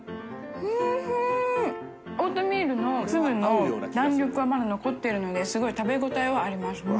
複截腺邸オートミールの粒の弾力はまだ残ってるので垢瓦食べ応えはあります。